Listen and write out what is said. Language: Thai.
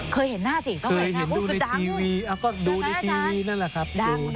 เคยเห็นดูในทีวีดูในทีวีนั่นแหละครับ